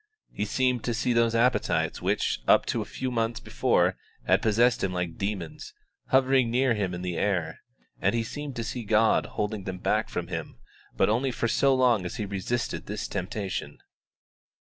He seemed to see those appetites which, up to a few months before, had possessed him like demons, hovering near him in the air, and he seemed to see God holding them back from him, but only for so long as he resisted this temptation.